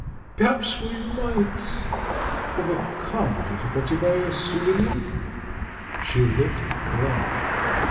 ... Perhaps we might over come the difficulty by a pseudonym?" She looked blank.